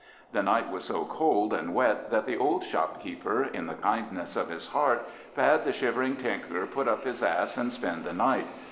The night was so cold and wet that the old shopkeeper, in the kindness of his heart, bade the shivering tinker put up his ass and spend the night.